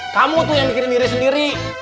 kamu tuh yang bikin diri sendiri